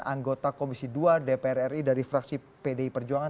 anggota komisi dua dpr ri dari fraksi pdi perjuangan